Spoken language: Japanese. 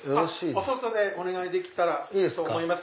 お外でお願いできたらと思います。